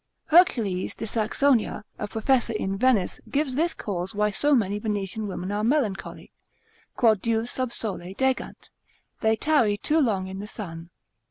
Hercules de Saxonia, a professor in Venice, gives this cause why so many Venetian women are melancholy, Quod diu sub sole degant, they tarry too long in the sun.